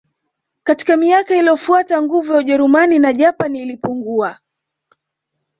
Katika miaka iliyofuata nguvu ya Ujerumani na Japani ilipungua